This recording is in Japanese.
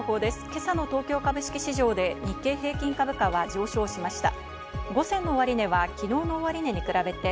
今朝の東京株式市場で日経平均株価は上昇しました。